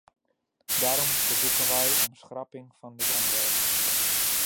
Daarom verzoeken wij om schrapping van dit onderwerp.